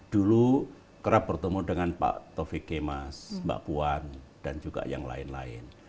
dulu kerap bertemu dengan pak taufik kemas mbak puan dan juga yang lain lain